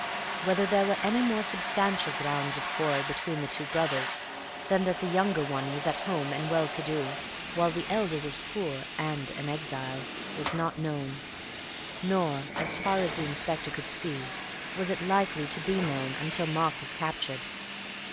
Whether there were any more substantial grounds of quarrel between the two brothers than that the younger one was at home and well to do, while the elder was poor and an exile, was not known, nor, as far as the inspector could see, was it likely to be known until Mark was captured.